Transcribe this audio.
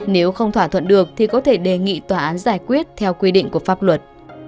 nếu không thỏa thuận được thì có thể đề nghị tòa án giải quyết theo quy định của pháp luật